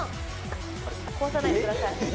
壊さないでください。